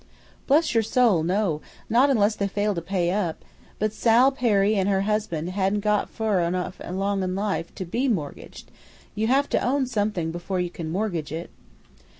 "Bless your soul, no; not unless they fail to pay up; but Sal Perry an' her husband hadn't got fur enough along in life to BE mortgaged. You have to own something before you can mortgage it."